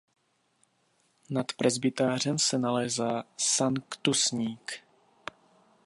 Nad presbytářem se nalézá sanktusník.